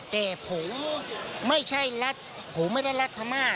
แต่ผมไม่ใช่ลัดพม่า